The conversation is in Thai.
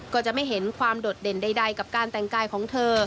ก็จะไม่เห็นความโดดเด่นใดกับการแต่งกายของเธอ